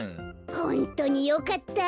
ホントによかった。